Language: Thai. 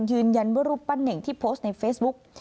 ยืนยันว่ารูปปั้นเน่งที่โพสต์ในเฟซบุ๊ก